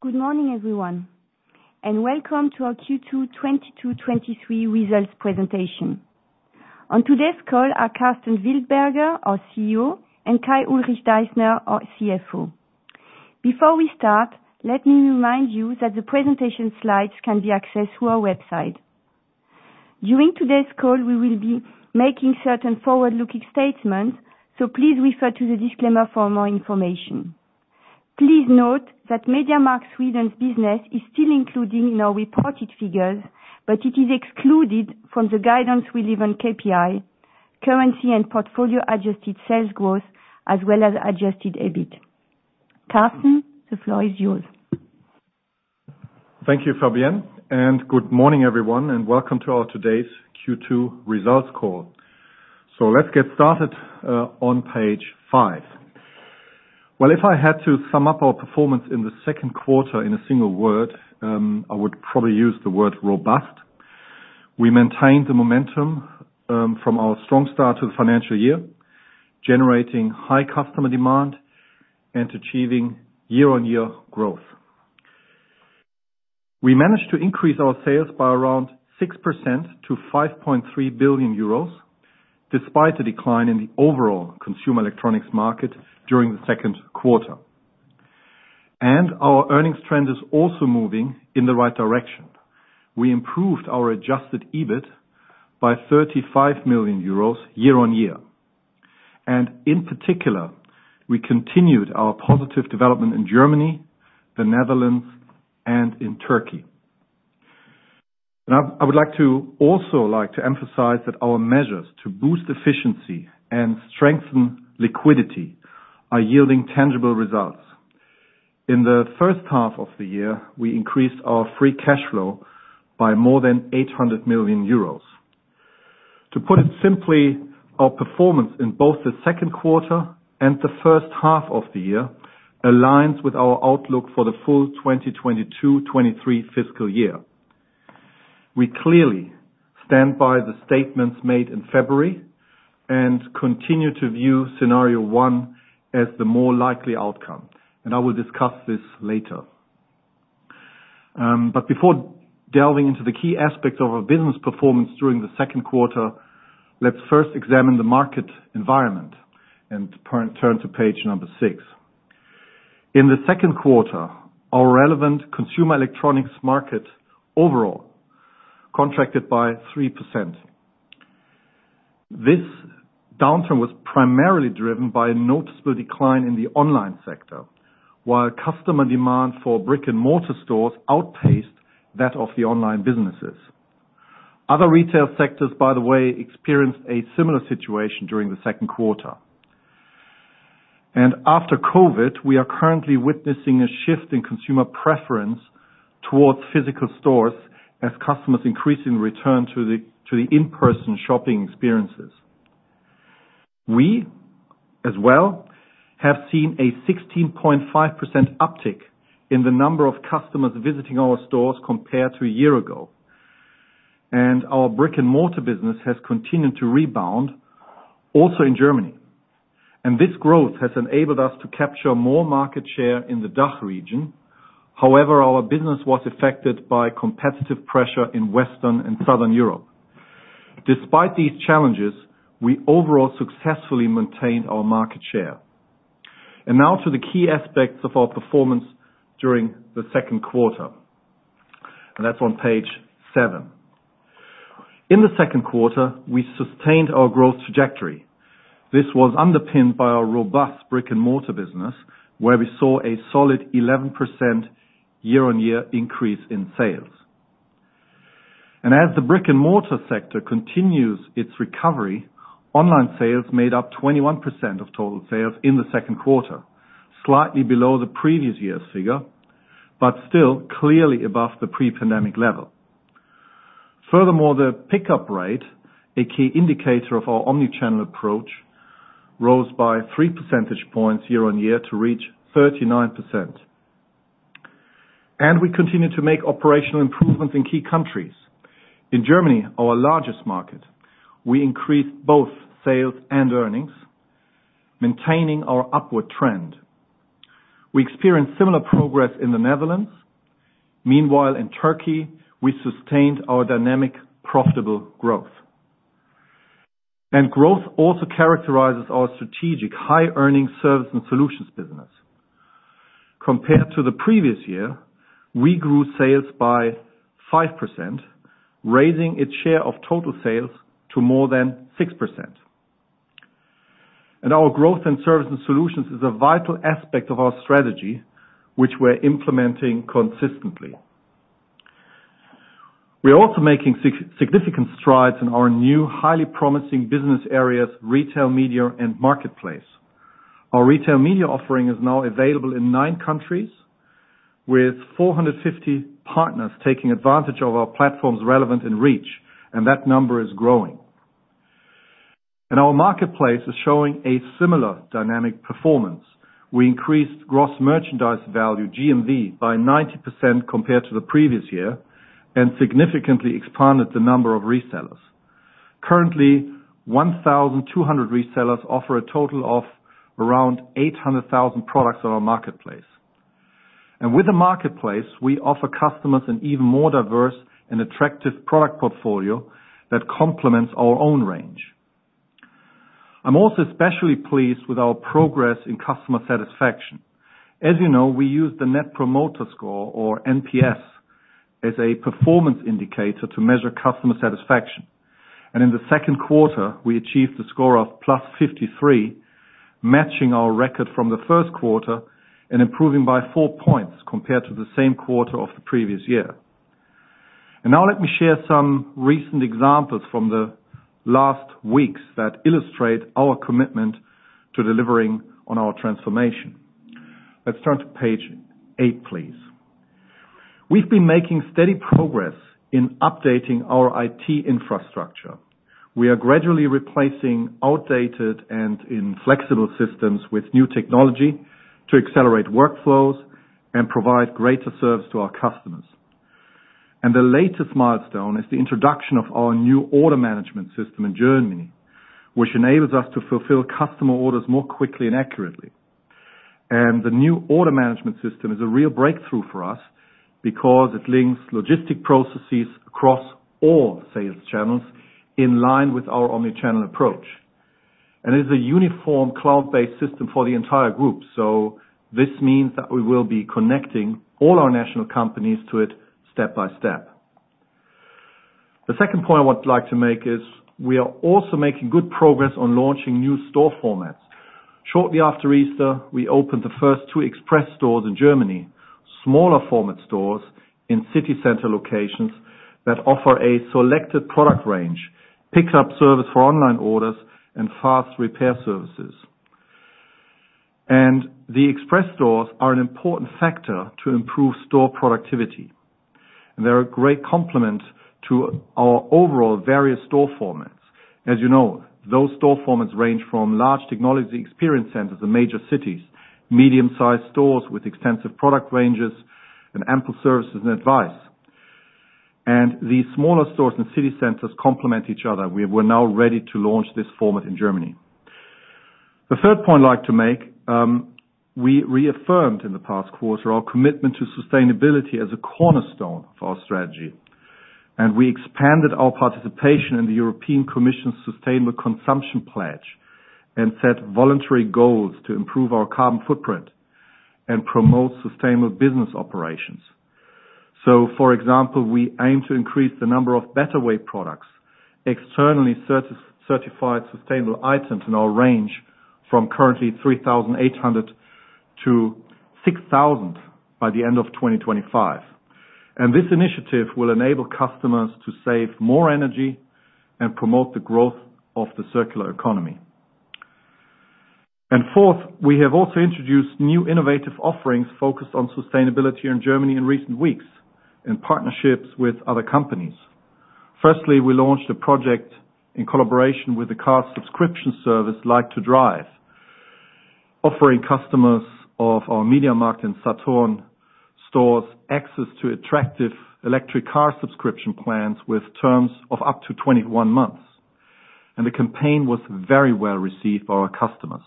Good morning, everyone, and welcome to our Q2 2022, 2023 results presentation. On today's call are Dr. Karsten Wildberger, our CEO, and Kai-Ulrich Deissner, our CFO. Before we start, let me remind you that the presentation slides can be accessed through our website. During today's call, we will be making certain forward-looking statements. Please refer to the disclaimer for more information. Please note that MediaMarkt Sweden's business is still including in our reported figures. It is excluded from the guidance relevant KPI, currency and portfolio adjusted sales growth, as well as adjusted EBIT. Karsten, the floor is yours. Thank you, Fabienne. Good morning, everyone, and welcome to our today's Q2 results call. Let's get started on page five. Well, if I had to sum up our performance in the second quarter in a single word, I would probably use the word robust. We maintained the momentum from our strong start to the financial year, generating high customer demand and achieving year-on-year growth. We managed to increase our sales by around 6% to 5.3 billion euros, despite the decline in the overall consumer electronics market during the second quarter. Our earnings trend is also moving in the right direction. We improved our adjusted EBIT by 35 million euros year-on-year. In particular, we continued our positive development in Germany, the Netherlands, and in Turkey. I would like to emphasize that our measures to boost efficiency and strengthen liquidity are yielding tangible results. In the first half of the year, we increased our free cash flow by more than 800 million euros. To put it simply, our performance in both the second quarter and the first half of the year aligns with our outlook for the full 2022, 2023 fiscal year. We clearly stand by the statements made in February and continue to view scenario one as the more likely outcome. I will discuss this later. Before delving into the key aspects of our business performance during the second quarter, let's first examine the market environment and turn to page six. In the second quarter, our relevant consumer electronics market overall contracted by 3%. This downturn was primarily driven by a noticeable decline in the online sector, while customer demand for brick-and-mortar stores outpaced that of the online businesses. Other retail sectors, by the way, experienced a similar situation during the second quarter. After COVID, we are currently witnessing a shift in consumer preference towards physical stores as customers increasingly return to the in-person shopping experiences. We as well have seen a 16.5% uptick in the number of customers visiting our stores compared to a year ago. Our brick-and-mortar business has continued to rebound also in Germany. This growth has enabled us to capture more market share in the DACH region. However, our business was affected by competitive pressure in Western and Southern Europe. Despite these challenges, we overall successfully maintained our market share. Now to the key aspects of our performance during the second quarter, and that's on page seven. In the second quarter, we sustained our growth trajectory. This was underpinned by our robust brick-and-mortar business, where we saw a solid 11% year-on-year increase in sales. As the brick-and-mortar sector continues its recovery, online sales made up 21% of total sales in the second quarter, slightly below the previous year's figure, but still clearly above the pre-pandemic level. Furthermore, the pickup rate, a key indicator of our omni-channel approach, rose by 3 percentage points year-on-year to reach 39%. We continued to make operational improvements in key countries. In Germany, our largest market, we increased both sales and earnings, maintaining our upward trend. We experienced similar progress in the Netherlands. Meanwhile, in Turkey, we sustained our dynamic, profitable growth. Growth also characterizes our strategic high-earning service and solutions business. Compared to the previous year, we grew sales by 5%, raising its share of total sales to more than 6%. Our growth in service and solutions is a vital aspect of our strategy, which we're implementing consistently. We are also making significant strides in our new, highly promising business areas, retail media and Marketplace. Our retail media offering is now available in nine countries, with 450 partners taking advantage of our platform's relevance and reach, and that number is growing. Our Marketplace is showing a similar dynamic performance. We increased gross merchandise value, GMV, by 90% compared to the previous year and significantly expanded the number of resellers. Currently, 1,200 resellers offer a total of around 800,000 products on our Marketplace. With the Marketplace, we offer customers an even more diverse and attractive product portfolio that complements our own range. I'm also especially pleased with our progress in customer satisfaction. As you know, we use the Net Promoter Score, or NPS, as a performance indicator to measure customer satisfaction. In the second quarter, we achieved a score of +53, matching our record from the first quarter and improving by 4 points compared to the same quarter of the previous year. Now let me share some recent examples from the last weeks that illustrate our commitment to delivering on our transformation. Let's turn to page eight, please. We've been making steady progress in updating our IT infrastructure. We are gradually replacing outdated and inflexible systems with new technology to accelerate workflows and provide greater service to our customers. The latest milestone is the introduction of our new order management system in Germany, which enables us to fulfill customer orders more quickly and accurately. The new order management system is a real breakthrough for us because it links logistic processes across all sales channels in line with our omni-channel approach. It's a uniform cloud-based system for the entire group. This means that we will be connecting all our national companies to it step by step. The second point I would like to make is we are also making good progress on launching new store formats. Shortly after Easter, we opened the first two express stores in Germany, smaller format stores in city center locations that offer a selected product range, pick-up service for online orders, and fast repair services. The express stores are an important factor to improve store productivity. They're a great complement to our overall various store formats. As you know, those store formats range from large technology experience centers in major cities, medium-sized stores with extensive product ranges and ample services and advice. The smaller stores in city centers complement each other. We're now ready to launch this format in Germany. The third point I'd like to make, we reaffirmed in the past quarter our commitment to sustainability as a cornerstone of our strategy. We expanded our participation in the European Commission Sustainable Consumption Pledge and set voluntary goals to improve our carbon footprint and promote sustainable business operations. For example, we aim to increase the number of Better Way products, externally certified sustainable items in our range from currently 3,800 to 6,000 by the end of 2025. This initiative will enable customers to save more energy and promote the growth of the circular economy. Fourth, we have also introduced new innovative offerings focused on sustainability in Germany in recent weeks, in partnerships with other companies. Firstly, we launched a project in collaboration with the car subscription service, Like2Drive, offering customers of our MediaMarkt and Saturn stores access to attractive electric car subscription plans with terms of up to 21 months. The campaign was very well received by our customers.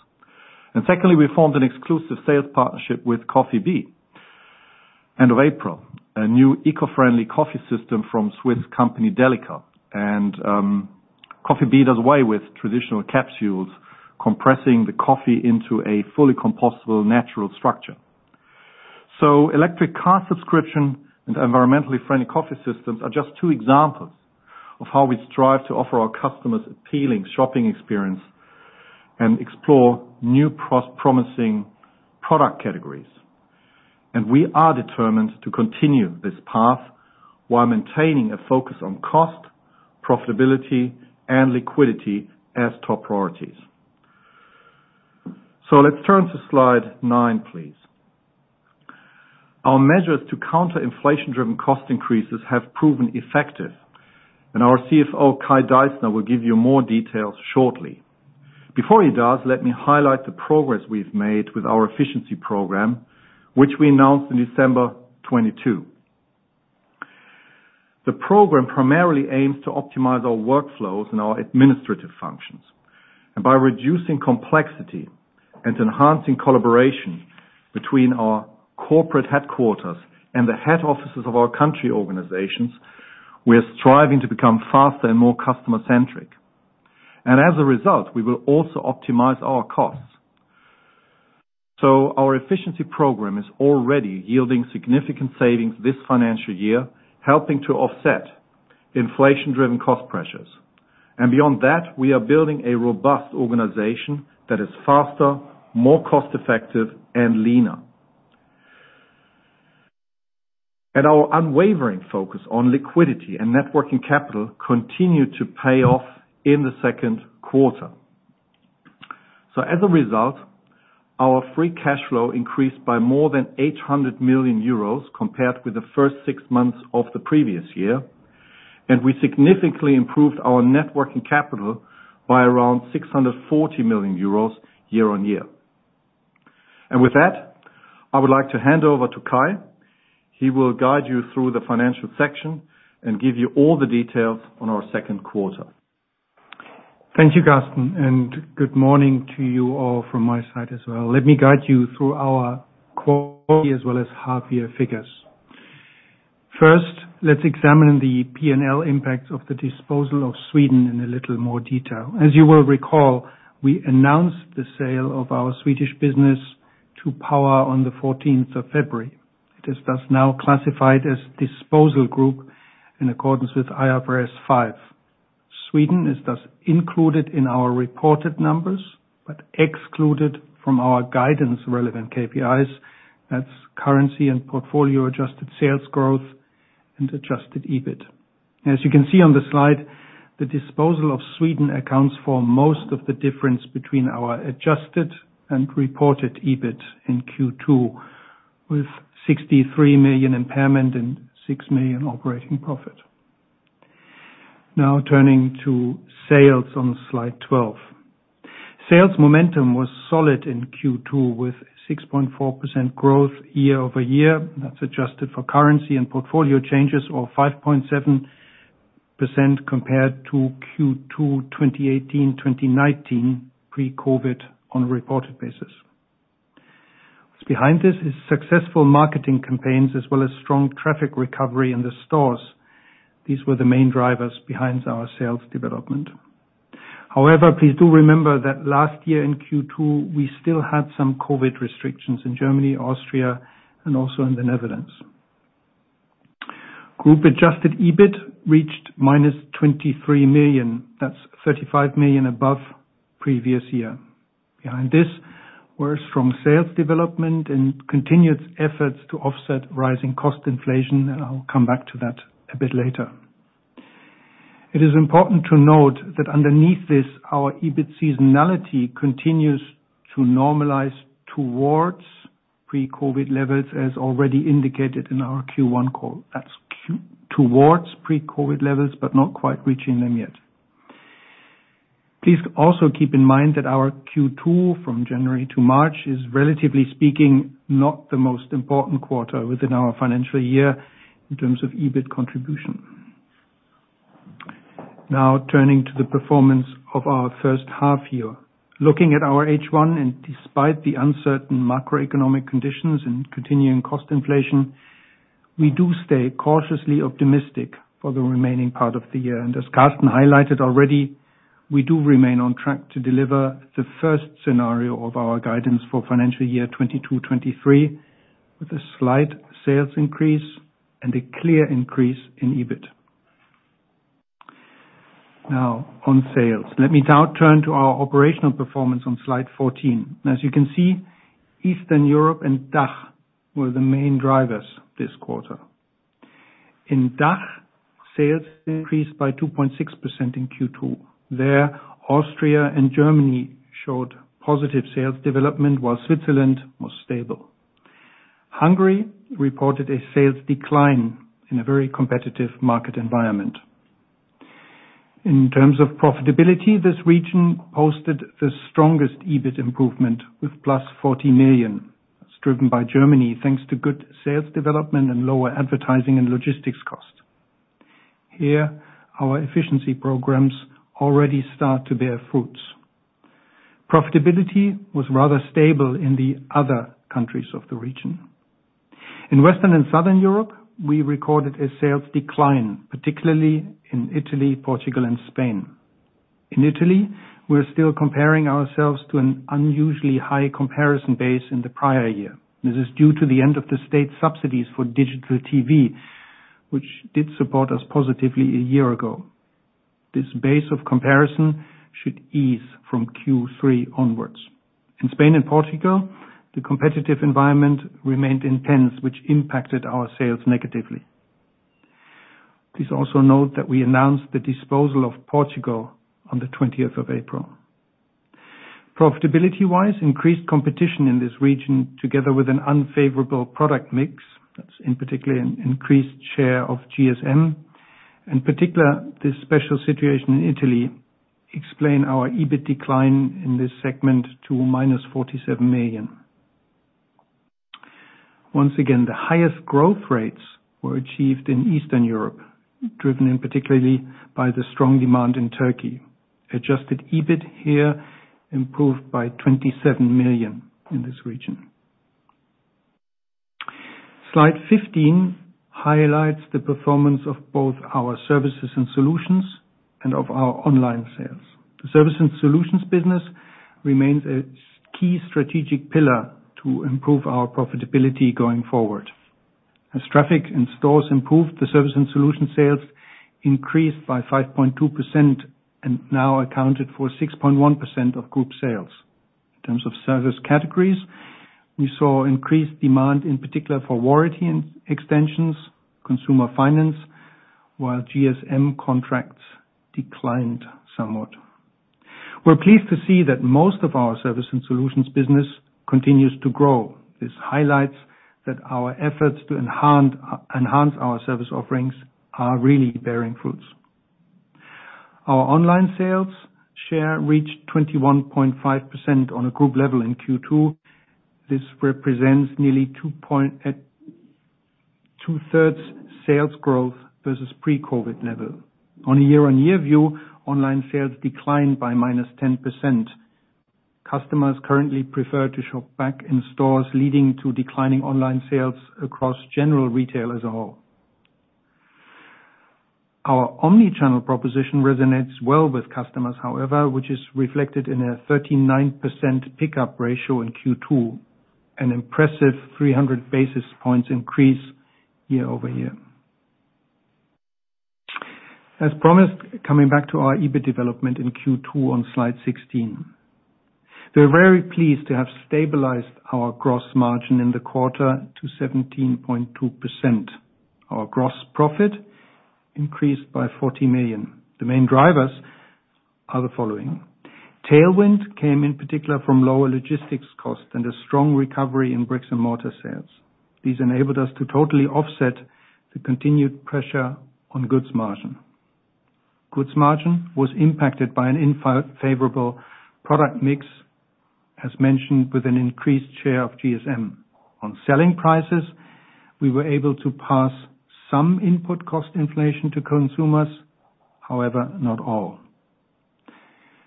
Secondly, we formed an exclusive sales partnership with CoffeeB end of April, a new eco-friendly coffee system from Swiss company, Delica. CoffeeB does away with traditional capsules, compressing the coffee into a fully compostable natural structure. Electric car subscription and environmentally friendly coffee systems are just two examples of how we strive to offer our customers appealing shopping experience and explore new promising product categories. We are determined to continue this path while maintaining a focus on cost, profitability, and liquidity as top priorities. Let's turn to slide nine, please. Our measures to counter inflation-driven cost increases have proven effective, and our CFO, Kai Deissner, will give you more details shortly. Before he does, let me highlight the progress we've made with our efficiency program, which we announced in December 2022. The program primarily aims to optimize our workflows and our administrative functions. By reducing complexity and enhancing collaboration between our corporate headquarters and the head offices of our country organizations, we are striving to become faster and more customer-centric. As a result, we will also optimize our costs. Our efficiency program is already yielding significant savings this financial year, helping to offset inflation-driven cost pressures. Beyond that, we are building a robust organization that is faster, more cost-effective, and leaner. Our unwavering focus on liquidity and net working capital continued to pay off in the second quarter. As a result, our free cash flow increased by more than 800 million euros compared with the first six months of the previous year, and we significantly improved our net working capital by around 640 million euros year-on-year. With that, I would like to hand over to Kai. He will guide you through the financial section and give you all the details on our second quarter. Thank you, Karsten, good morning to you all from my side as well. Let me guide you through our quarterly as well as half year figures. First, let's examine the P&L impact of the disposal of Sweden in a little more detail. As you will recall, we announced the sale of our Swedish business to Power on the 14th of February. It is thus now classified as disposal group in accordance with IFRS 5. Sweden is thus included in our reported numbers, excluded from our guidance-relevant KPIs. That's currency and portfolio-adjusted sales growth and adjusted EBIT. As you can see on the slide, the disposal of Sweden accounts for most of the difference between our adjusted and reported EBIT in Q2, with 63 million impairment and 6 million operating profit. Now turning to sales on slide 12. Sales momentum was solid in Q2 with 6.4% growth year-over-year. That's adjusted for currency and portfolio changes or 5.7% compared to Q2 2018, 2019 pre-COVID on a reported basis. What's behind this is successful marketing campaigns as well as strong traffic recovery in the stores. These were the main drivers behind our sales development. However, please do remember that last year in Q2, we still had some COVID restrictions in Germany, Austria, and also in the Netherlands. Group-adjusted EBIT reached -23 million. That's 35 million above previous year. Behind this were strong sales development and continued efforts to offset rising cost inflation. I'll come back to that a bit later. It is important to note that underneath this, our EBIT seasonality continues to normalize towards pre-COVID levels, as already indicated in our Q1 call. That's Q2 towards pre-COVID levels, not quite reaching them yet. Please also keep in mind that our Q2 from January to March is, relatively speaking, not the most important quarter within our financial year in terms of EBIT contribution. Turning to the performance of our first half year. Looking at our H1, despite the uncertain macroeconomic conditions and continuing cost inflation, we do stay cautiously optimistic for the remaining part of the year. As Karsten highlighted already, we do remain on track to deliver the first scenario of our guidance for financial year 2022, 2023, with a slight sales increase and a clear increase in EBIT. On sales. Let me now turn to our operational performance on slide 14. As you can see, Eastern Europe and DACH were the main drivers this quarter. In DACH, sales increased by 2.6% in Q2. There, Austria and Germany showed positive sales development while Switzerland was stable. Hungary reported a sales decline in a very competitive market environment. In terms of profitability, this region posted the strongest EBIT improvement with +40 million. It's driven by Germany, thanks to good sales development and lower advertising and logistics cost. Here, our efficiency programs already start to bear fruits. Profitability was rather stable in the other countries of the region. In Western and Southern Europe, we recorded a sales decline, particularly in Italy, Portugal, and Spain. In Italy, we're still comparing ourselves to an unusually high comparison base in the prior year. This is due to the end of the state subsidies for digital TV, which did support us positively a year ago. This base of comparison should ease from Q3 onwards. In Spain and Portugal, the competitive environment remained intense, which impacted our sales negatively. Please also note that we announced the disposal of Portugal on the 20th of April. Profitability-wise, increased competition in this region together with an unfavorable product mix, that's in particular an increased share of GSM, in particular, this special situation in Italy explain our EBIT decline in this segment to -47 million. Once again, the highest growth rates were achieved in Eastern Europe, driven in particular by the strong demand in Turkey. Adjusted EBIT here improved by 27 million in this region. Slide 15 highlights the performance of both our services and solutions and of our online sales. The service and solutions business remains a key strategic pillar to improve our profitability going forward. As traffic in stores improved, the service and solution sales increased by 5.2% and now accounted for 6.1% of group sales. In terms of service categories, we saw increased demand, in particular for warranty and extensions, consumer finance, while GSM contracts declined somewhat. We're pleased to see that most of our service and solutions business continues to grow. This highlights that our efforts to enhance our service offerings are really bearing fruits. Our online sales share reached 21.5% on a group level in Q2. This represents nearly 2 point 2/3 sales growth versus pre-COVID level. On a year-on-year view, online sales declined by -10%. Customers currently prefer to shop back in stores, leading to declining online sales across general retail as a whole. Our omni-channel proposition resonates well with customers, however, which is reflected in a 39% pickup ratio in Q2, an impressive 300 basis points increase year-over-year. As promised, coming back to our EBIT development in Q2 on slide 16. We're very pleased to have stabilized our gross margin in the quarter to 17.2%. Our gross profit increased by 40 million. The main drivers are the following. Tailwind came in particular from lower logistics costs and a strong recovery in bricks and mortar sales. These enabled us to totally offset the continued pressure on goods margin. Goods margin was impacted by an unfavorable product mix, as mentioned, with an increased share of GSM. On selling prices, we were able to pass some input cost inflation to consumers, however, not all.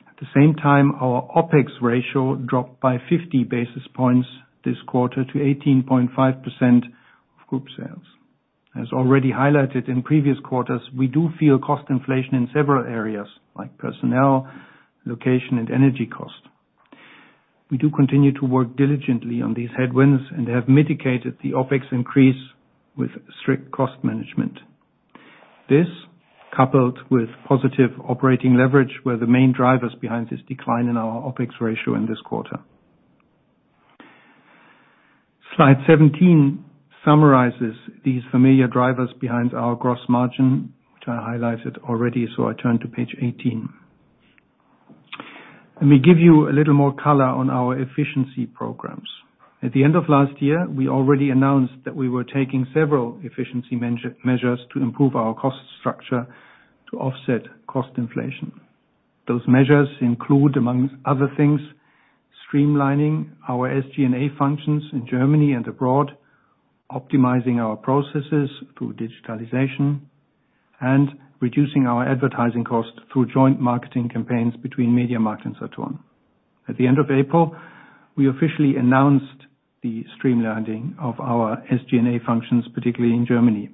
At the same time, our OpEx ratio dropped by 50 basis points this quarter to 18.5% of group sales. As already highlighted in previous quarters, we do feel cost inflation in several areas like personnel, location, and energy cost. We do continue to work diligently on these headwinds and have mitigated the OpEx increase with strict cost management. This, coupled with positive operating leverage, were the main drivers behind this decline in our OpEx ratio in this quarter. Slide 17 summarizes these familiar drivers behind our gross margin, which I highlighted already. I turn to page 18. Let me give you a little more color on our efficiency programs. At the end of last year, we already announced that we were taking several efficiency measures to improve our cost structure to offset cost inflation. Those measures include, among other things, streamlining our SG&A functions in Germany and abroad, optimizing our processes through digitalization, and reducing our advertising costs through joint marketing campaigns between MediaMarkt and Saturn. At the end of April, we officially announced the streamlining of our SG&A functions, particularly in Germany.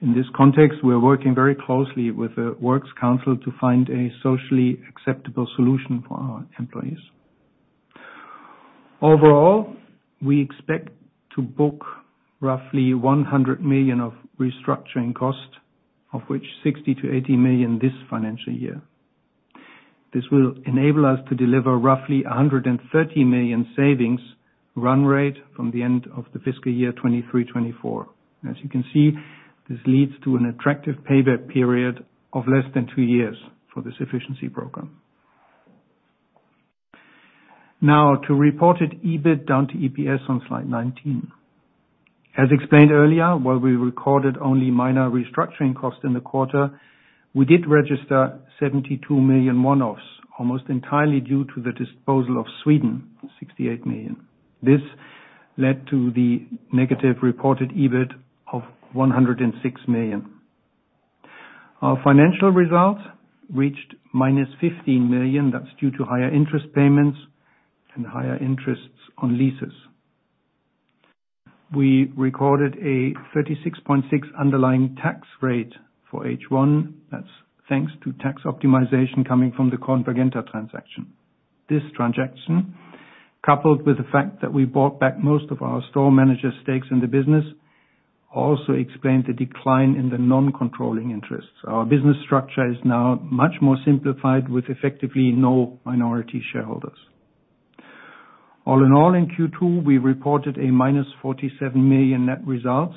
In this context, we are working very closely with the Works Council to find a socially acceptable solution for our employees. Overall, we expect to book roughly 100 million of restructuring costs, of which 60 million-80 million this financial year. This will enable us to deliver roughly 130 million savings run rate from the end of the fiscal year 2023/2024. As you can see, this leads to an attractive payback period of less than two years for this efficiency program. To reported EBIT down to EPS on slide 19. As explained earlier, while we recorded only minor restructuring costs in the quarter, we did register 72 million one-offs, almost entirely due to the disposal of Sweden, 68 million. This led to the negative reported EBIT of 106 million. Our financial results reached -15 million. That's due to higher interest payments and higher interests on leases. We recorded a 36.6% underlying tax rate for H1. That's thanks to tax optimization coming from the Convergenta transaction. This transaction, coupled with the fact that we bought back most of our store manager stakes in the business, also explained the decline in the non-controlling interests. Our business structure is now much more simplified with effectively no minority shareholders. All in all, in Q2, we reported a -47 million net results,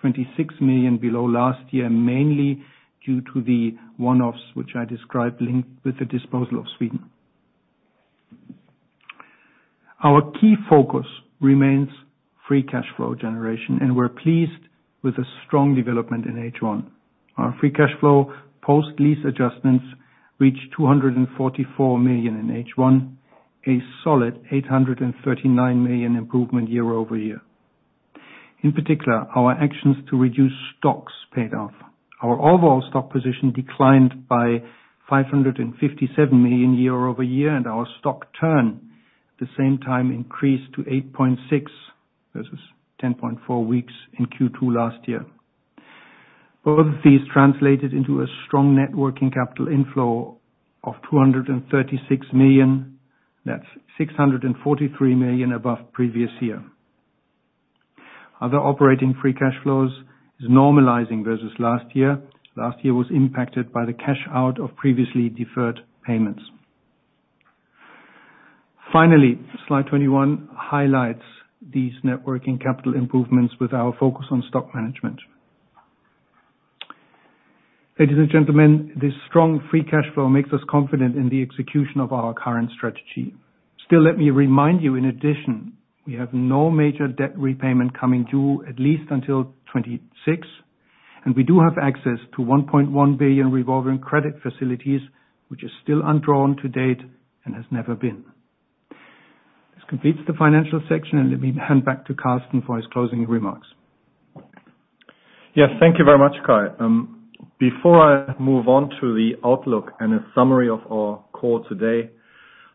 26 million below last year, mainly due to the one-offs which I described linked with the disposal of Sweden. Our key focus remains free cash flow generation, and we're pleased with the strong development in H1. Our free cash flow post-lease adjustments reached 244 million in H1, a solid 839 million improvement year-over-year. In particular, our actions to reduce stocks paid off. Our overall stock position declined by 557 million year-over-year, and our stock turn at the same time increased to 8.6 versus 10.4 weeks in Q2 last year. Both of these translated into a strong net working capital inflow of 236 million. That's 643 million above previous year. Other operating free cash flows is normalizing versus last year. Last year was impacted by the cash out of previously deferred payments. Finally, slide 21 highlights these net working capital improvements with our focus on stock management. Ladies and gentlemen, this strong free cash flow makes us confident in the execution of our current strategy. Let me remind you, in addition, we have no major debt repayment coming due at least until 2026, and we do have access to 1.1 billion revolving credit facilities, which is still undrawn to date and has never been. This completes the financial section. Let me hand back to Karsten for his closing remarks. Yes, thank you very much, Kai. Before I move on to the outlook and a summary of our call today,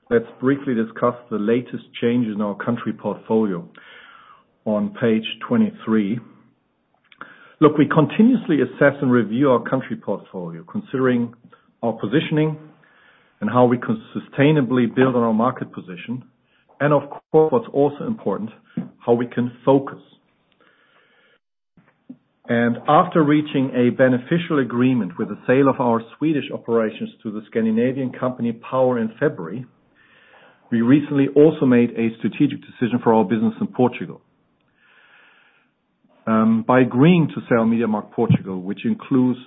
let's briefly discuss the latest change in our country portfolio on page 23. Look, we continuously assess and review our country portfolio, considering our positioning and how we can sustainably build on our market position and, of course, what's also important, how we can focus. After reaching a beneficial agreement with the sale of our Swedish operations to the Scandinavian company Power in February, we recently also made a strategic decision for our business in Portugal. By agreeing to sell MediaMarkt Portugal, which includes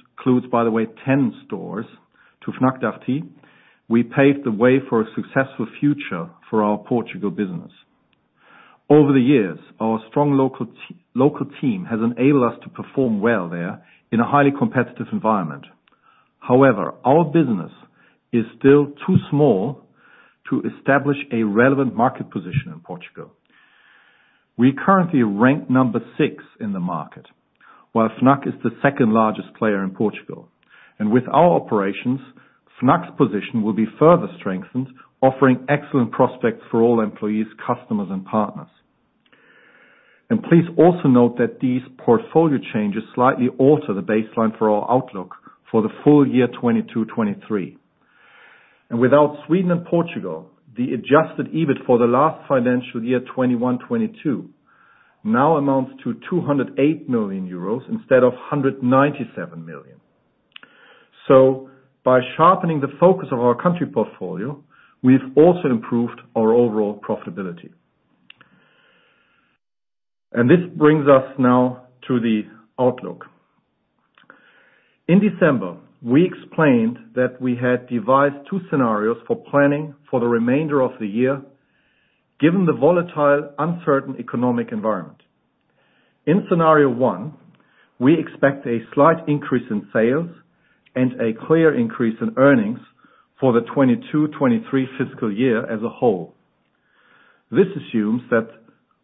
by the way, 10 stores to Fnac Darty, we paved the way for a successful future for our Portugal business. Over the years, our strong local team has enabled us to perform well there in a highly competitive environment. However, our business is still too small to establish a relevant market position in Portugal. We currently rank number six in the market, while Fnac is the second-largest player in Portugal. With our operations, Fnac's position will be further strengthened, offering excellent prospects for all employees, customers, and partners. Please also note that these portfolio changes slightly alter the baseline for our outlook for the full year 2022, 2023. Without Sweden and Portugal, the adjusted EBIT for the last financial year, 2021, 2022, now amounts to 208 million euros instead of 197 million. By sharpening the focus of our country portfolio, we've also improved our overall profitability. This brings us now to the outlook. In December, we explained that we had devised two scenarios for planning for the remainder of the year, given the volatile, uncertain economic environment. In scenario one, we expect a slight increase in sales and a clear increase in earnings for the 2022, 2023 fiscal year as a whole. This assumes that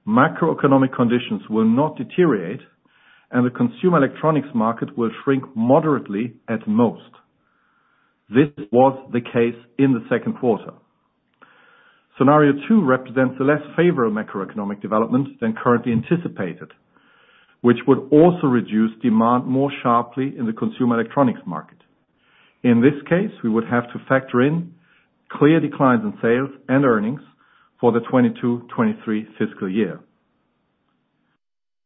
macroeconomic conditions will not deteriorate and the consumer electronics market will shrink moderately at most. This was the case in the second quarter. Scenario two represents a less favorable macroeconomic development than currently anticipated, which would also reduce demand more sharply in the consumer electronics market. In this case, we would have to factor in clear declines in sales and earnings for the 2022, 2023 fiscal year.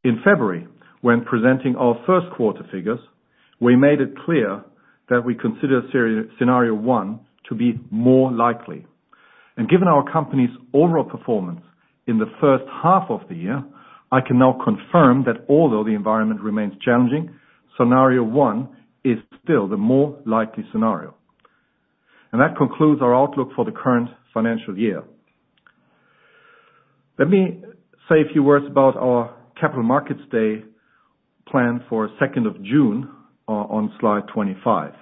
In February, when presenting our first quarter figures, we made it clear that we consider scenario one to be more likely. Given our company's overall performance in the first half of the year, I can now confirm that although the environment remains challenging, scenario one is still the more likely scenario. That concludes our outlook for the current financial year. Let me say a few words about our Capital Markets Day plan for June 2nd on slide 25.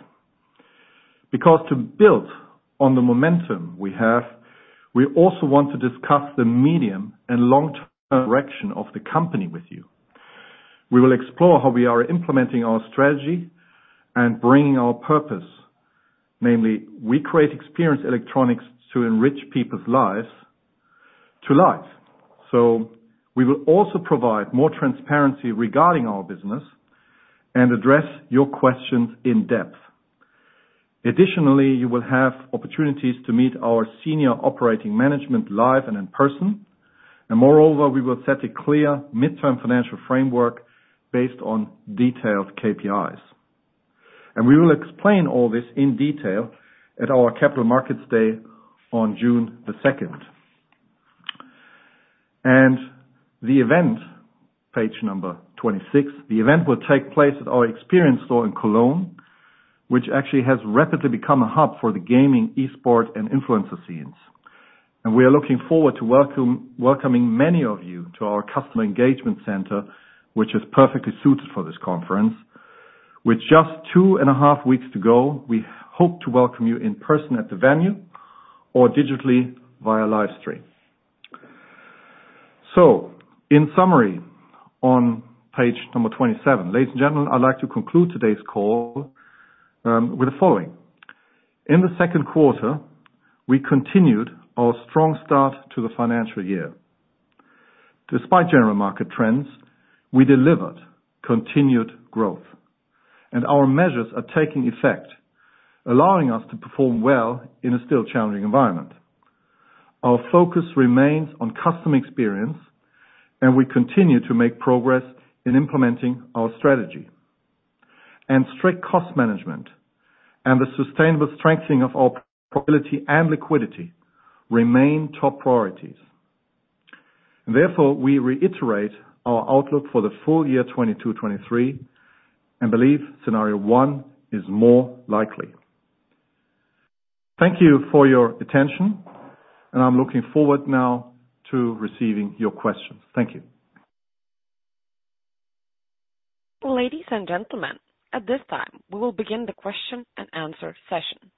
To build on the momentum we have, we also want to discuss the medium and long-term direction of the company with you. We will explore how we are implementing our strategy and bringing our purpose, namely, we create experience electronics to enrich people's lives, to life. We will also provide more transparency regarding our business and address your questions in depth. Additionally, you will have opportunities to meet our senior operating management live and in person. Moreover, we will set a clear midterm financial framework based on detailed KPIs. We will explain all this in detail at our Capital Markets Day on June 2nd. The event, page number 26. The event will take place at our experience store in Cologne, which actually has rapidly become a hub for the gaming, e-sport, and influencer scenes. We are looking forward to welcoming many of you to our customer engagement center, which is perfectly suited for this conference. With just 2.5 weeks to go, we hope to welcome you in person at the venue or digitally via live stream. In summary, on page number 27, ladies and gentlemen, I'd like to conclude today's call with the following. In the second quarter, we continued our strong start to the financial year. Despite general market trends, we delivered continued growth and our measures are taking effect, allowing us to perform well in a still challenging environment. Our focus remains on customer experience, and we continue to make progress in implementing our strategy. Strict cost management and the sustainable strengthening of our profitability and liquidity remain top priorities. Therefore, we reiterate our outlook for the full year 2022, 2023, and believe scenario one is more likely. Thank you for your attention. I'm looking forward now to receiving your questions. Thank you. Ladies and gentlemen, at this time, we will begin the question and answer session.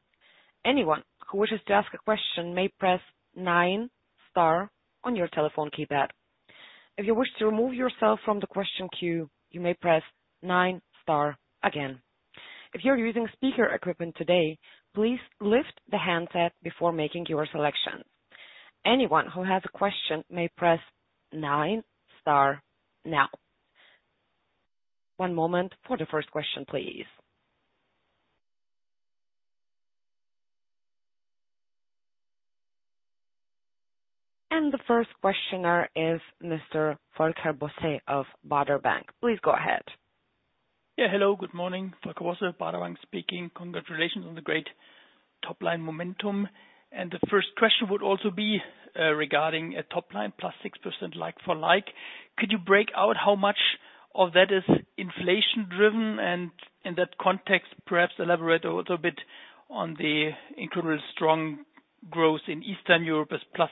Anyone who wishes to ask a question may press nine star on your telephone keypad. If you wish to remove yourself from the question queue, you may press nine star again. If you're using speaker equipment today, please lift the handset before making your selection. Anyone who has a question may press nine star now. One moment for the first question, please. The first questioner is Mr. Volker Bosse of Baader Bank. Please go ahead. Yeah, hello. Good morning, Volker Bosse, Baader Bank speaking. Congratulations on the great top line momentum. The first question would also be regarding a top line plus 6% like for like. Could you break out how much of that is inflation driven? In that context, perhaps elaborate a little bit on the incredibly strong growth in Eastern Europe as plus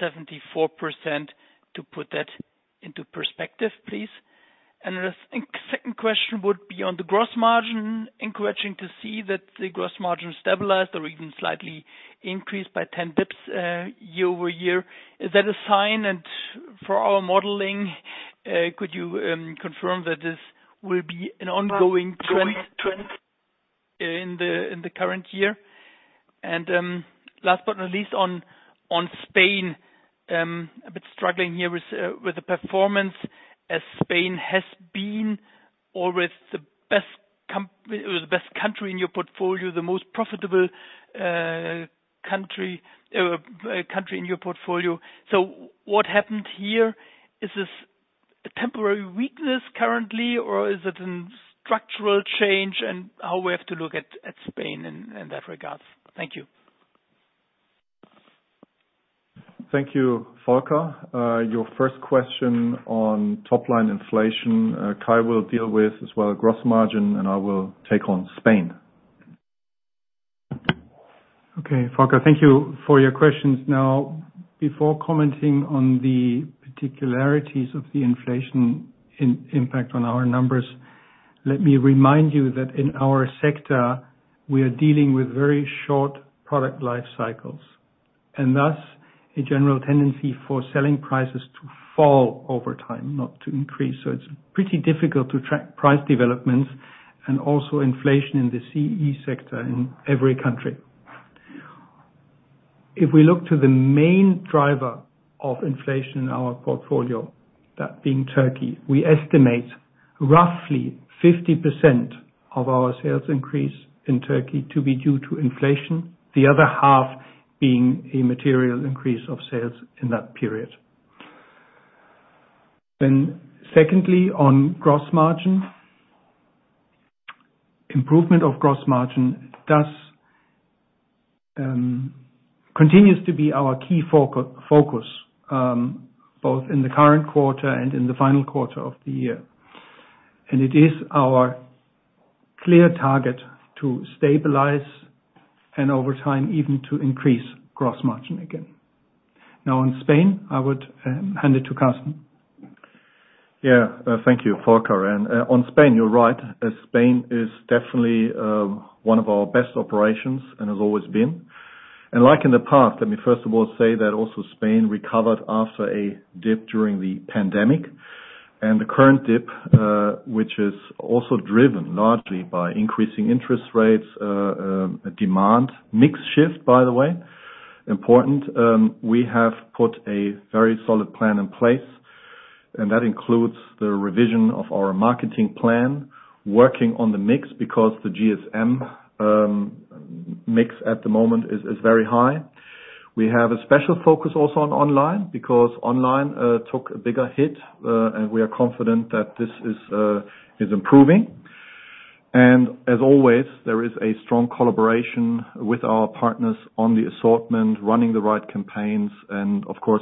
74% to put that into perspective, please. The second question would be on the gross margin. Encouraging to see that the gross margin stabilized or even slightly increased by 10 basis points year-over-year. Is that a sign? For our modeling, could you confirm that this will be an ongoing trend in the current year? Last but not least on Spain, a bit struggling here with the performance as Spain has been always the best country in your portfolio, the most profitable country in your portfolio. What happened here? Is this a temporary weakness currently, or is it a structural change and how we have to look at Spain in that regard? Thank you. Thank you, Volker. Your first question on top line inflation, Kai will deal with as well as gross margin. I will take on Spain. Volker, thank you for your questions. Before commenting on the particularities of the inflation impact on our numbers, let me remind you that in our sector, we are dealing with very short product life cycles, and thus a general tendency for selling prices to fall over time, not to increase. It's pretty difficult to track price developments and also inflation in the CE sector in every country. If we look to the main driver of inflation in our portfolio, that being Turkey, we estimate roughly 50% of our sales increase in Turkey to be due to inflation, the other half being a material increase of sales in that period. Secondly, on gross margin. Improvement of gross margin does continues to be our key focus, both in the current quarter and in the final quarter of the year. It is our clear target to stabilize and over time, even to increase gross margin again. In Spain, I would hand it to Karsten. Thank you, Volker. On Spain, you're right, as Spain is definitely one of our best operations and has always been. Like in the past, let me first of all say that also Spain recovered after a dip during the pandemic. The current dip, which is also driven largely by increasing interest rates, a demand mix shift, by the way, important. We have put a very solid plan in place, and that includes the revision of our marketing plan, working on the mix because the GSM mix at the moment is very high. We have a special focus also on online because online took a bigger hit, and we are confident that this is improving. As always, there is a strong collaboration with our partners on the assortment, running the right campaigns.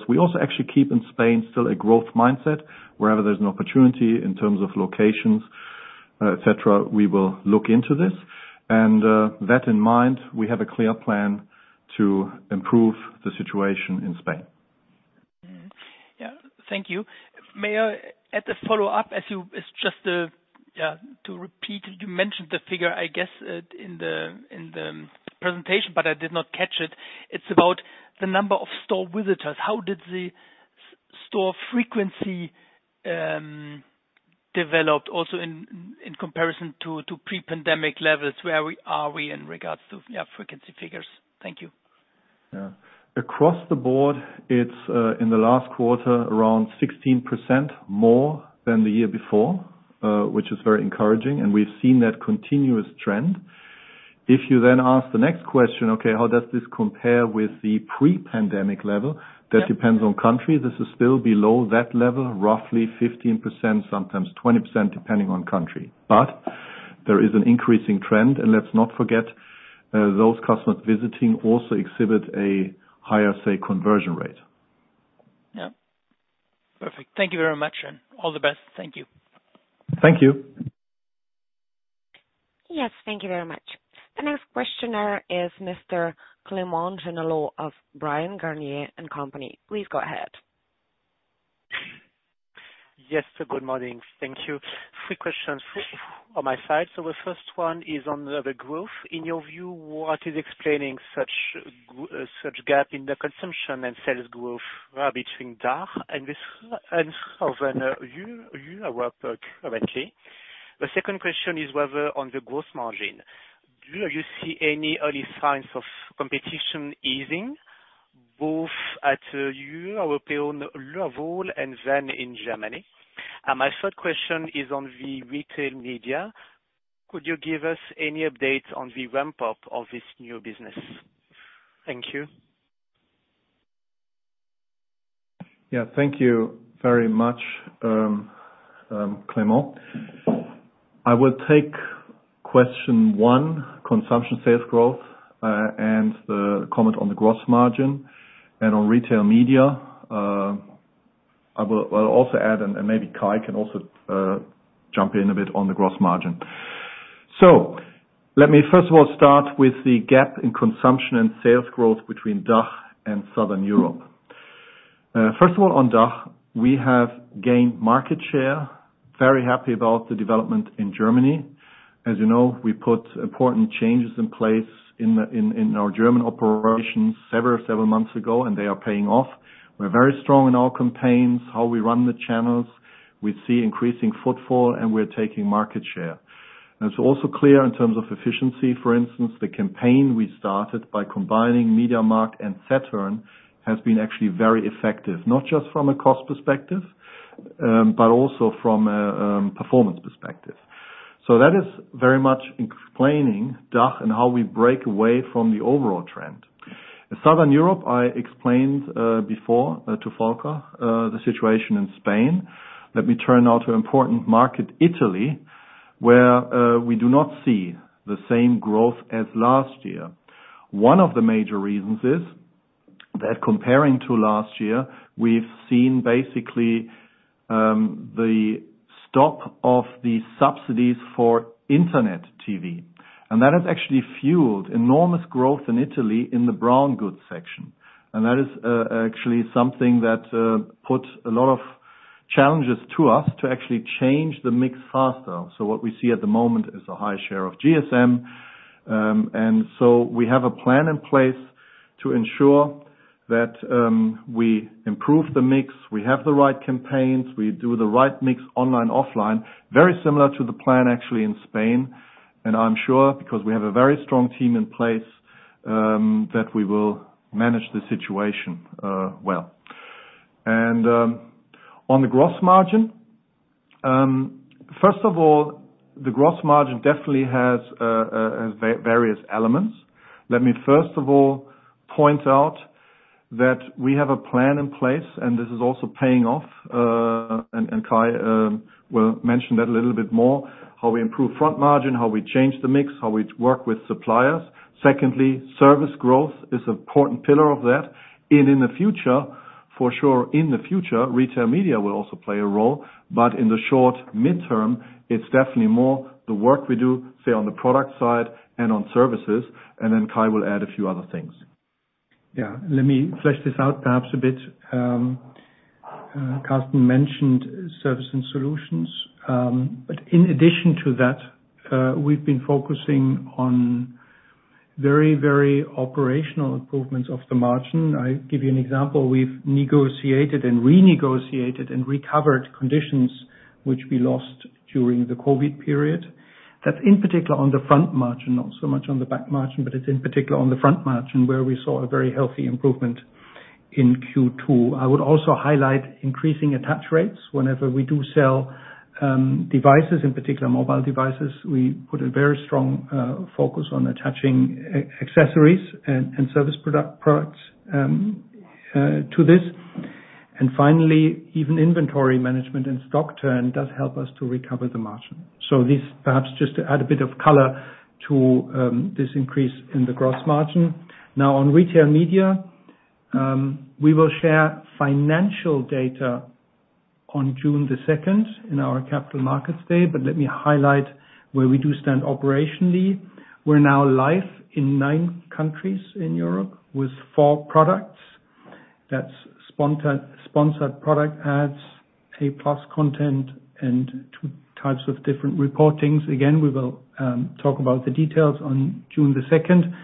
We also actually keep in Spain still a growth mindset. Wherever there's an opportunity in terms of locations, et cetera, we will look into this. That in mind, we have a clear plan to improve the situation in Spain. Yeah. Thank you. May I, as a follow-up, as you. It's just, yeah, to repeat, you mentioned the figure, I guess, in the presentation, but I did not catch it. It's about the number of store visitors. How did the store frequency developed also in comparison to pre-pandemic levels? Where we are we in regards to, yeah, frequency figures? Thank you. Yeah. Across the board, it's, in the last quarter, around 16% more than the year before, which is very encouraging, and we've seen that continuous trend. If you then ask the next question, okay, how does this compare with the pre-pandemic level? That depends on country. This is still below that level, roughly 15%, sometimes 20%, depending on country. There is an increasing trend. Let's not forget, those customers visiting also exhibit a higher, say, conversion rate. Yeah. Perfect. Thank you very much and all the best. Thank you. Thank you. Yes, thank you very much. The next questioner is Mr. Clément Genelot of Bryan, Garnier & Co.. Please go ahead. Yes. Good morning. Thank you. Three questions on my side. The first one is on the growth. In your view, what is explaining such gap in the consumption and sales growth between DACH and Southern Europe currently? The second question is whether on the growth margin. Do you see any early signs of competition easing, both at Europe level and in Germany? My third question is on the retail media. Could you give us any updates on the ramp up of this new business? Thank you. Yeah, thank you very much, Clément. I will take question one, consumption sales growth, and the comment on the gross margin and on retail media, I'll also add, and maybe Kai can also jump in a bit on the gross margin. Let me first of all start with the gap in consumption and sales growth between DACH and Southern Europe. First of all, on DACH, we have gained market share. Very happy about the development in Germany. As you know, we put important changes in place in our German operations several months ago, and they are paying off. We're very strong in our campaigns, how we run the channels. We see increasing footfall, and we're taking market share. It's also clear in terms of efficiency, for instance, the campaign we started by combining MediaMarkt and Saturn has been actually very effective. Not just from a cost perspective, but also from a performance perspective. That is very much explaining DACH and how we break away from the overall trend. In Southern Europe, I explained before to Volker, the situation in Spain. Let me turn now to important market, Italy, where we do not see the same growth as last year. One of the major reasons is that comparing to last year, we've seen basically, the stop of the subsidies for internet TV, and that has actually fueled enormous growth in Italy in the brown goods section. That is actually something that put a lot of challenges to us to actually change the mix faster. What we see at the moment is a high share of GSM, we have a plan in place to ensure that we improve the mix, we have the right campaigns, we do the right mix online, offline, very similar to the plan actually in Spain. I'm sure because we have a very strong team in place that we will manage the situation well. On the gross margin, first of all, the gross margin definitely has various elements. Let me first of all point out that we have a plan in place, and this is also paying off, and Kai will mention that a little bit more, how we improve front margin, how we change the mix, how we work with suppliers. Secondly, service growth is important pillar of that. In the future, for sure, in the future, retail media will also play a role, but in the short midterm, it's definitely more the work we do, say, on the product side and on services, and then Kai will add a few other things. Let me flesh this out perhaps a bit. Karsten mentioned service and solutions. In addition to that, we've been focusing on very, very operational improvements of the margin. I'll give you an example. We've negotiated and renegotiated and recovered conditions which we lost during the COVID period. That's in particular on the front margin, not so much on the back margin, but it's in particular on the front margin where we saw a very healthy improvement in Q2. I would also highlight increasing attach rates. Whenever we do sell devices, in particular mobile devices, we put a very strong focus on attaching accessories and service products to this. Finally, even inventory management and stock turn does help us to recover the margin. This perhaps just to add a bit of color to this increase in the gross margin. On retail media, we will share financial data on June 2nd in our Capital Markets Day. Let me highlight where we do stand operationally. We're now live in nine countries in Europe with four products. That's Sponsored Product Ads, A+ Content, and two types of different reportings. Again, we will talk about the details on June 2nd,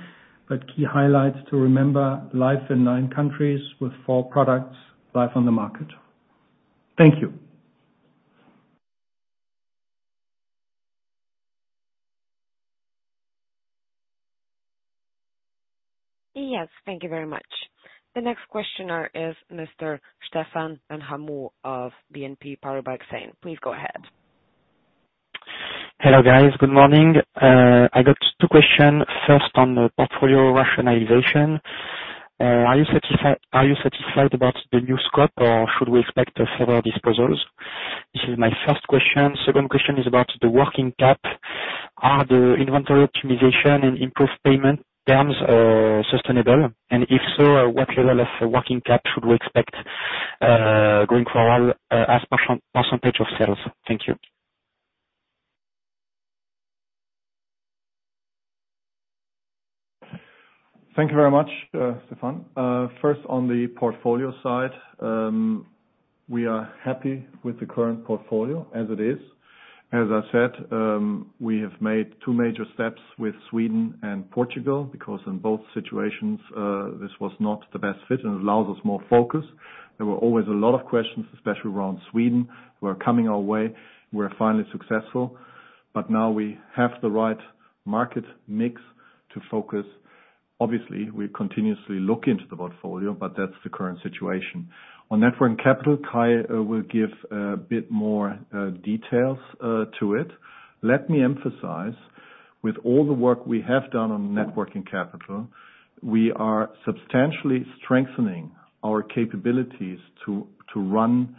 but key highlights to remember, live in nine countries with four products live on the market. Thank you. Yes, thank you very much. The next questioner is Mr. Stephan Van Hamme of BNP Paribas. Please go ahead. Hello, guys. Good morning. I got two question first on the portfolio rationalization Are you satisfied about the new scope, or should we expect further disposals? This is my first question. Second question is about the working cap. Are the inventory optimization and improved payment terms sustainable? If so, what level of working cap should we expect, going forward, as percentage of sales? Thank you. Thank you very much, Stephan. First on the portfolio side, we are happy with the current portfolio as it is. As I said, we have made two major steps with Sweden and Portugal because in both situations, this was not the best fit and allows us more focus. There were always a lot of questions, especially around Sweden. We're coming our way. We're finally successful, but now we have the right market mix to focus. Obviously, we continuously look into the portfolio, but that's the current situation. On net working capital, Kai will give a bit more details to it. Let me emphasize, with all the work we have done on net working capital, we are substantially strengthening our capabilities to run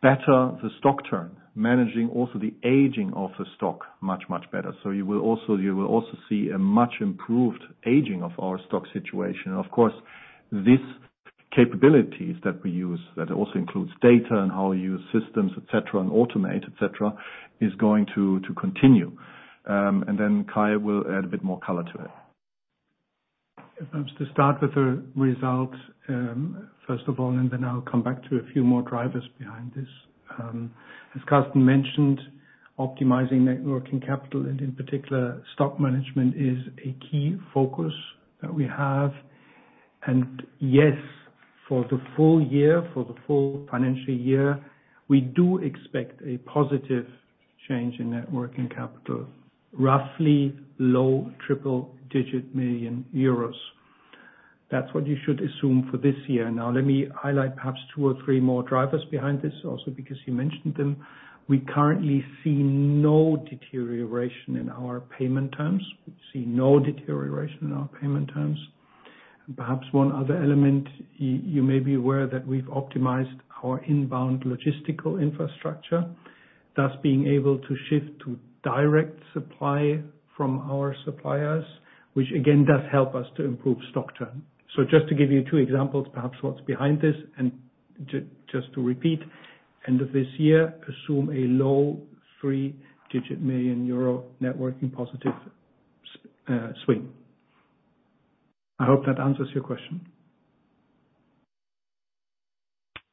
better the stock turn, managing also the aging of the stock much better. You will also see a much improved aging of our stock situation. Of course, this capabilities that we use, that also includes data and how we use systems, et cetera, and automate, et cetera, is going to continue. Then Kai will add a bit more color to it. If I was to start with the result, first of all, then I'll come back to a few more drivers behind this. As Karsten mentioned, optimizing net working capital, and in particular, stock management is a key focus that we have. Yes, for the full year, for the full financial year, we do expect a positive change in net working capital, roughly low triple-digit million euros. That's what you should assume for this year. Now, let me highlight perhaps two or three more drivers behind this also because you mentioned them. We currently see no deterioration in our payment terms. We see no deterioration in our payment terms. Perhaps one other element, you may be aware that we've optimized our inbound logistical infrastructure, thus being able to shift to direct supply from our suppliers, which again, does help us to improve stock turn. Just to give you two examples, perhaps what's behind this, and just to repeat, end of this year, assume a low three-digit million euros networking positive swing. I hope that answers your question.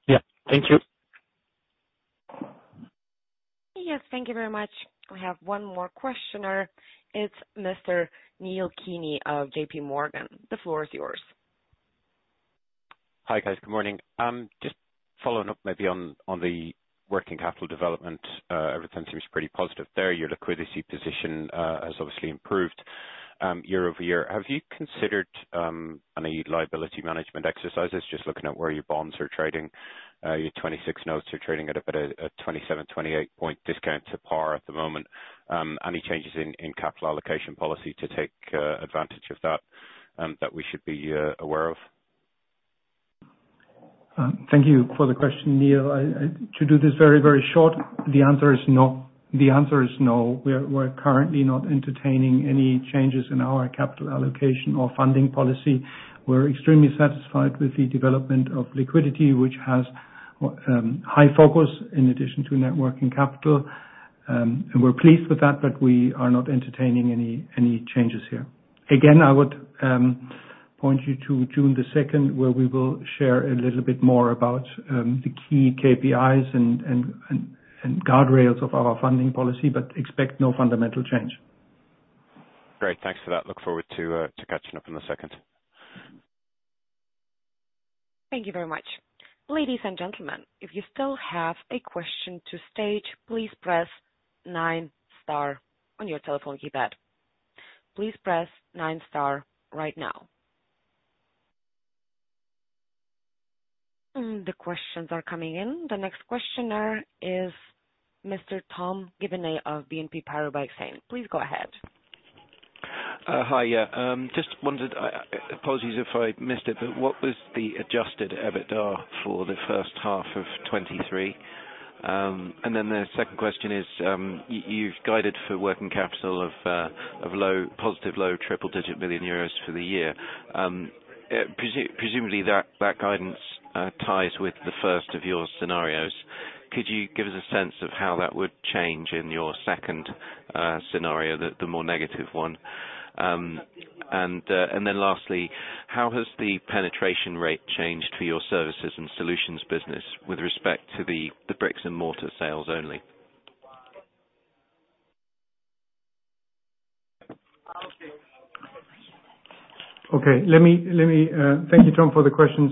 Yeah. Thank you. Yes, thank you very much. I have one more questioner. It's Mr. Neil Keeney of JPMorgan. The floor is yours. Hi, guys. Good morning. Just following up maybe on the working capital development, everything seems pretty positive there. Your liquidity position has obviously improved year-over-year. Have you considered any liability management exercises, just looking at where your bonds are trading? Your 2026 notes are trading at about a 27, 28 point discount to par at the moment. Any changes in capital allocation policy to take advantage of that we should be aware of? Thank you for the question, Neil. To do this very, very short, the answer is no. The answer is no. We're currently not entertaining any changes in our capital allocation or funding policy. We're extremely satisfied with the development of liquidity, which has high focus in addition to net working capital. We're pleased with that, but we are not entertaining any changes here. Again, I would point you to June 2nd, where we will share a little bit more about the key KPIs and guardrails of our funding policy, but expect no fundamental change. Great. Thanks for that. Look forward to catching up on the second. Thank you very much. Ladies and gentlemen, if you still have a question to stage, please press nine star on your telephone keypad. Please press nine star right now. The questions are coming in. The next questioner is Mr. Tom Gibney of BNP Paribas. Please go ahead. Just wondered, apologies if I missed it, what was the adjusted EBITDA for the first half of 2023? The second question is, you've guided for working capital of low, positive low triple digit billion euros for the year. Presumably that guidance ties with the first of your scenarios. Could you give us a sense of how that would change in your second scenario, the more negative one? Lastly, how has the penetration rate changed for your services and solutions business with respect to bricks and mortar sales only? Okay. Let me thank you, Tom, for the questions.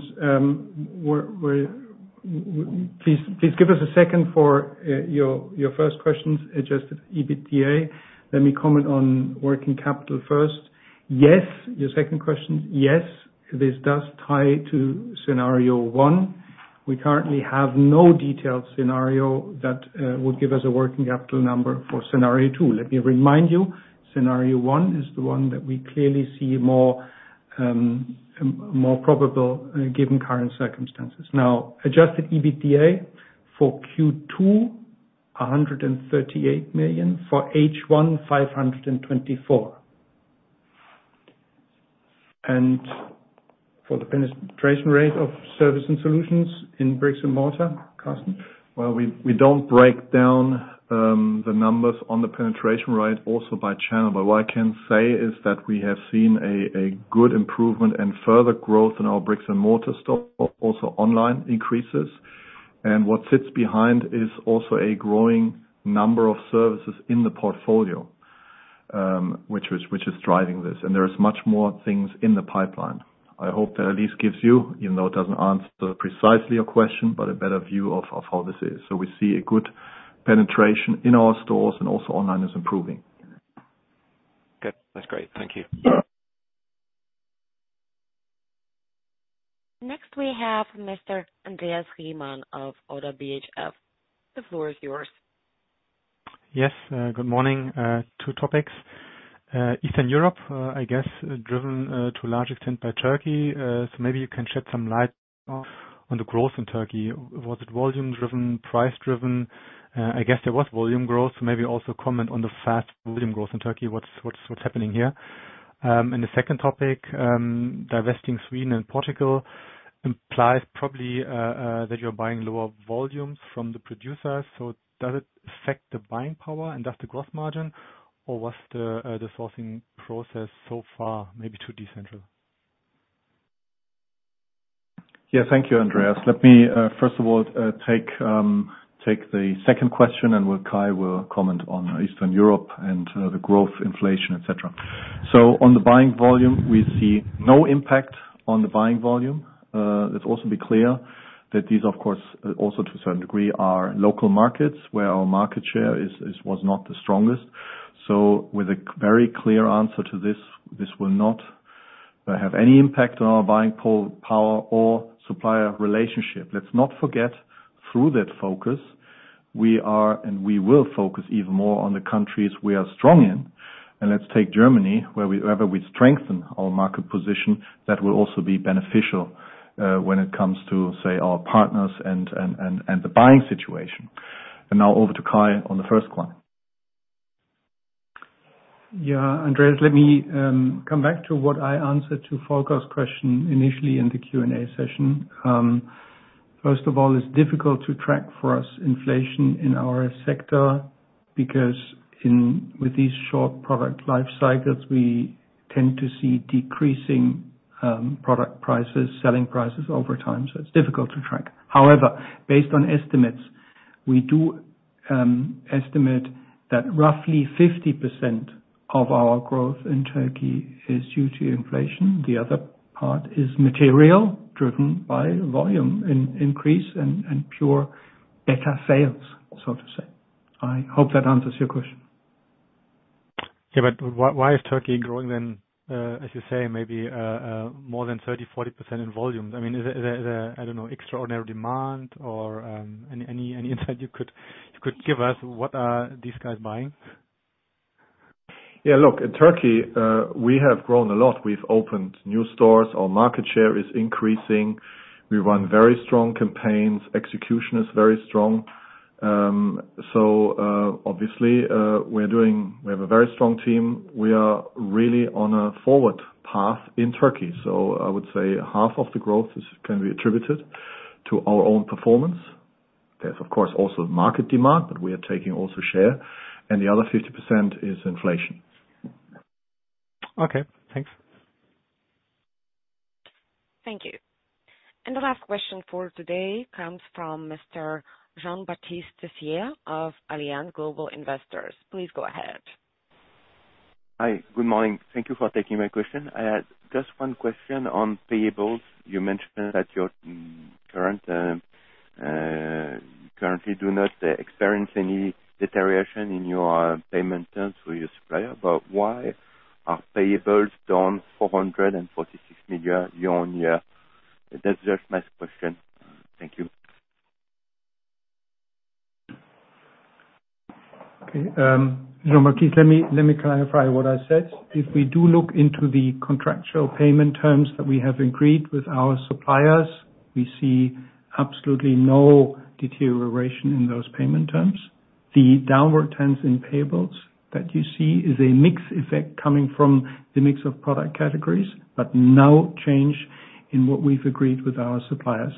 Please give us a second for your first questions, adjusted EBITDA. Let me comment on working capital first. Yes. Your second question, yes, this does tie to scenario one. We currently have no detailed scenario that would give us a working capital number for scenario two. Let me remind you, scenario one is the one that we clearly see more probable given current circumstances. Adjusted EBITDA for Q2, 138 million. For H1, 524 million. For the penetration rate of service and solutions in bricks and mortar, Karsten. We don't break down the numbers on the penetration rate also by channel. What I can say is that we have seen a good improvement and further growth in our bricks and mortar store, also online increases. What sits behind is also a growing number of services in the portfolio, which is driving this. There is much more things in the pipeline. I hope that at least gives you, even though it doesn't answer precisely your question, but a better view of how this is. We see a good penetration in our stores, and also online is improving. Okay. That's great. Thank you. Next, we have Mr. Andreas Riemann of ODDO BHF. The floor is yours. Yes. Good morning. Two topics. Eastern Europe, I guess driven to a large extent by Turkey. Maybe you can shed some light on the growth in Turkey. Was it volume driven? Price driven? I guess there was volume growth, so maybe also comment on the fast volume growth in Turkey. What's happening here? The second topic, divesting Sweden and Portugal implies probably that you're buying lower volumes from the producers. Does it affect the buying power and thus the growth margin, or was the sourcing process so far maybe too decentralized? Thank you, Andreas. Let me first of all take the second question, and well, Kai will comment on Eastern Europe and the growth, inflation, et cetera. On the buying volume, we see no impact on the buying volume. Let's also be clear that these, of course, also to a certain degree are local markets where our market share is was not the strongest. With a very clear answer to this will not have any impact on our buying pool, power or supplier relationship. Let's not forget through that focus, we are and we will focus even more on the countries we are strong in. Let's take Germany, wherever we strengthen our market position, that will also be beneficial when it comes to, say, our partners and the buying situation. Now over to Kai on the first one. Yeah. Andreas, let me come back to what I answered to Volker's question initially in the Q&A session. First of all, it's difficult to track for us inflation in our sector because with these short product life cycles, we tend to see decreasing product prices, selling prices over time. It's difficult to track. However, based on estimates, we do estimate that roughly 50% of our growth in Turkey is due to inflation. The other part is material driven by volume increase and pure better sales, so to say. I hope that answers your question. Yeah, why is Turkey growing then, as you say, maybe, more than 30%-40% in volume? I mean, is there, I don't know, extraordinary demand or any insight you could give us what are these guys buying? Yeah. Look, in Turkey, we have grown a lot. We've opened new stores. Our market share is increasing. We run very strong campaigns. Execution is very strong. obviously, We have a very strong team. We are really on a forward path in Turkey. I would say half of the growth is, can be attributed to our own performance. There's of course also market demand, but we are taking also share, and the other 50% is inflation. Okay, thanks. Thank you. The last question for today comes from Mr. Jean Baptiste Thieffry of Allianz Global Investors. Please go ahead. Hi. Good morning. Thank Thank you for taking my question. I had just one question on payables. You mentioned that your current, currently do not experience any deterioration in your payment terms with your supplier. Why are payables down 446 million year-on-year? That's just my question. Thank you. Okay. Jean Baptiste, let me clarify what I said. If we do look into the contractual payment terms that we have agreed with our suppliers, we see absolutely no deterioration in those payment terms. The downward trends in payables that you see is a mix effect coming from the mix of product categories, but no change in what we've agreed with our suppliers.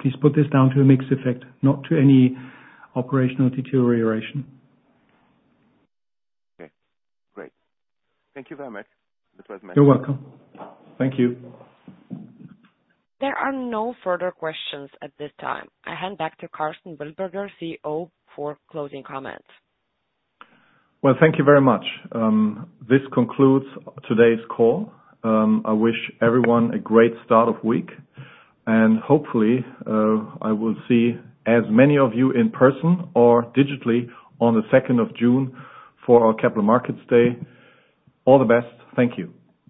Please put this down to a mix effect, not to any operational deterioration. Okay. Great. Thank you very much. You're welcome. Thank you. There are no further questions at this time. I hand back to Karsten Wildberger, CEO, for closing comments. Well, thank you very much. This concludes today's call. I wish everyone a great start of week. Hopefully, I will see as many of you in person or digitally on the second of June for our Capital Markets Day. All the best. Thank you.